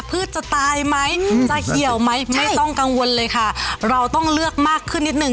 จะตายไหมจะเหี่ยวไหมไม่ต้องกังวลเลยค่ะเราต้องเลือกมากขึ้นนิดนึง